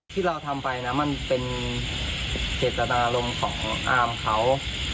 ที่เราทำไปนะมันเป็นเจตนารมณ์ของอามเขา